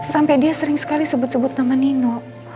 sampai dia sering sekali sebut sebut nama nino